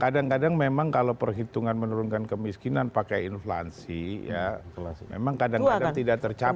kadang kadang memang kalau perhitungan menurunkan kemiskinan pakai inflasi ya memang kadang kadang tidak tercapai